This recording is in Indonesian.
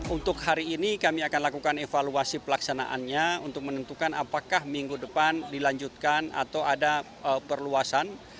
untuk hari ini kami akan lakukan evaluasi pelaksanaannya untuk menentukan apakah minggu depan dilanjutkan atau ada perluasan